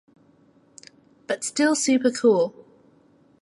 But still super cool!